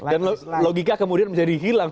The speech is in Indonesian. dan logika kemudian menjadi hilang